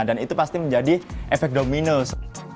dan itu pasti menjadi efek dominos